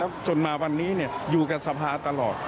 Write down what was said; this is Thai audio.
จนมาวันนี้อยู่กับสภาตลอด